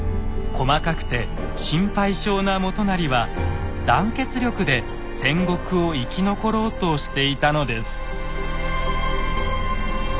細かくて心配性な元就は団結力で戦国を生き残ろうとしていたのです。